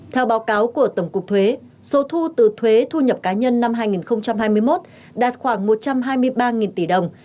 theo báo cáo của tổng cục thuế số thu từ thuế thu nhập cá nhân năm hai nghìn hai mươi một đạt khoảng một trăm hai mươi ba tỷ đồng